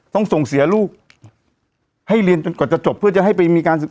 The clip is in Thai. ต้องส่งเสียลูกให้เรียนจนกว่าจะจบเพื่อจะให้ไปมีการศึก